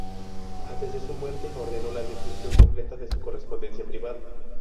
Antes de su muerte ordenó la destrucción completa de su correspondencia privada.